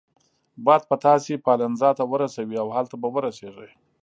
باد به تاسي پالنزا ته ورسوي او هلته به ورسیږئ.